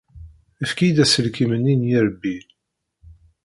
Efk-iyi-d aselkim-nni n yirebbi.